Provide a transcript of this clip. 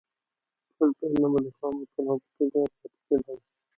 ټول پلانونه به د خامو طرحو په توګه پاتې کېدل.